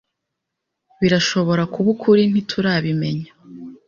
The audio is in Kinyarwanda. Birashobora kuba ukuri. Ntiturabimenya.